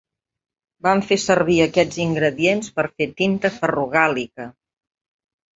Van fer servir aquests ingredients per fer tinta ferrogàlica.